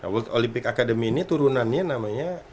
world olympic academy ini turunannya namanya